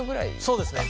そうですね。